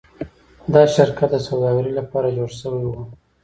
دا شرکت د سوداګرۍ لپاره جوړ شوی و.